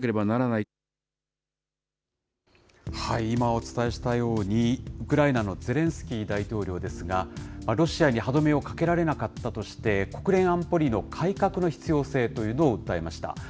今、お伝えしたように、ウクライナのゼレンスキー大統領ですが、ロシアに歯止めをかけられなかったとして、国連安保理の改革の必要性というのを訴えました。